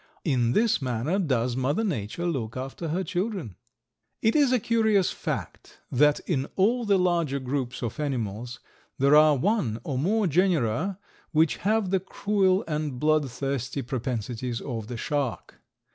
In this manner does Mother Nature look after her children. It is a curious fact that in all the larger groups of animals there are one or more genera which have the cruel and bloodthirsty propensities of the shark.